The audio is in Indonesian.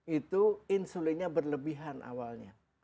itu insulinnya berlebihan awalnya